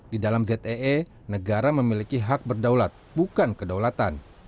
di dalam zee negara memiliki hak berdaulat bukan kedaulatan